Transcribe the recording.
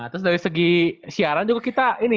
terus dari segi siaran juga kita ini